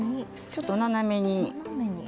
ちょっと斜めに。